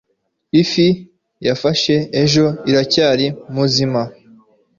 ifi yafashe ejo iracyari muzima